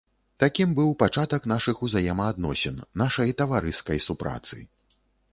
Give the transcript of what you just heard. Такім быў пачатак нашых узаемаадносін, нашай таварыскай супрацы.